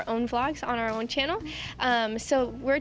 dengan vlog kita sendiri di channel kami sendiri